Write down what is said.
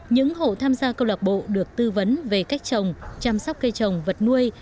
những hộ tham gia câu lạc bộ được tư vấn về cách trồng chăm sóc cây trồng vật nuôi